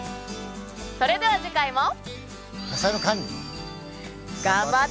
それでは次回も。